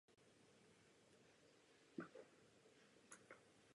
To je dobře a my to vítáme.